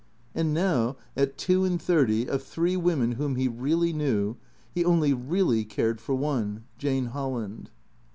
And now, at two and thirty, of three women whom he really knew, he only really cared for one, Jane Holland.